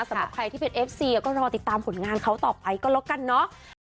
สำหรับใครที่เป็นเอฟซีก็รอติดตามผลงานเขาต่อไปก็แล้วกันเนาะ